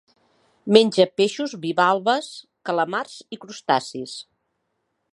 Menja peixos, bivalves, calamars i crustacis.